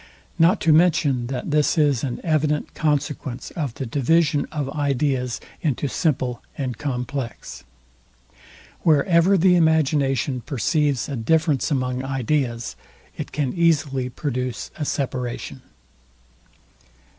Not to mention, that this is an evident consequence of the division of ideas into simple and complex. Where ever the imagination perceives a difference among ideas, it can easily produce a separation.